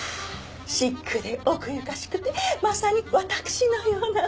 シックで奥ゆかしくてまさに私のような。